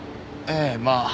ええまあ。